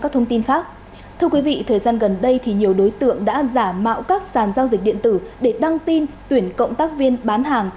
thưa quý vị thời gian gần đây thì nhiều đối tượng đã giả mạo các sàn giao dịch điện tử để đăng tin tuyển cộng tác viên bán hàng